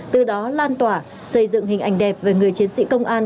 từ đó lan tỏa xây dựng hình ảnh đẹp về người chiến sĩ công an